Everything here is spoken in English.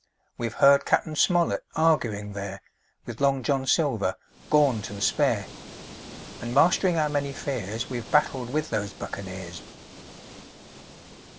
We've heard Cap. Smollett arguing there With Long John Silver, gaunt and spare, And mastering our many fears We've battled with those buccaneers.